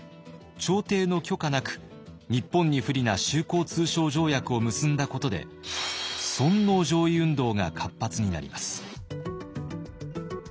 朝廷の許可なく日本に不利な修好通商条約を結んだことで尊皇攘夷運動が活発になります。